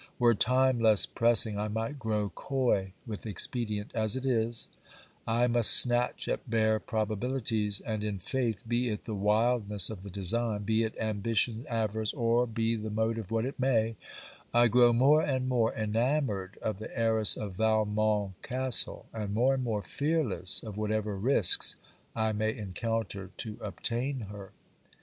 Were time less pressing, I might grow coy with expedient. As it is, I must snatch at bare probabilities; and, in faith, be it the wildness of the design, be it ambition, avarice, or be the motive what it may, I grow more and more enamoured of the heiress of Valmont castle, and more and more fearless of whatever risks I may encounter to obtain her.